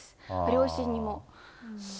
両親にも。